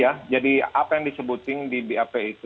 iya jadi apa yang disebutkan di bap itu